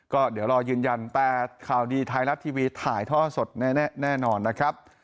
ก็เดี๋ยวรอยืนยันแต่ข่าวดีไทยรัฐทีวีถ่ายท่อสดแน่นอนนะครับ